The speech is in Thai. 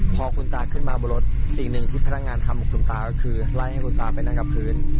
พอคุณตาขึ้นมาบนรถสิ่งหนึ่งที่พนักงานทำกับคุณตาก็คือไล่ให้คุณตาไปนั่งกับพื้น